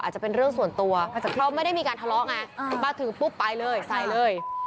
อาจจะเป็นเรื่องส่วนตัวเพราะไม่ได้มีการทะเลาะไงมาถึงปุ๊บไปเลยใส่เลย